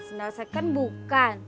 sendal second bukan